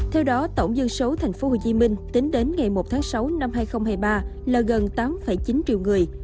theo đó tổng dân số tp hcm tính đến ngày một tháng sáu năm hai nghìn hai mươi ba là gần tám chín triệu người